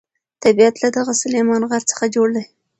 طبیعت له دغه سلیمان غر څخه جوړ دی.